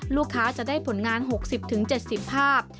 ลูกค้าจะได้ผลงาน๖๐๗๐ภาพ